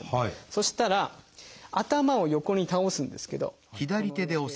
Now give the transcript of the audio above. そしたら頭を横に倒すんですけどこのように。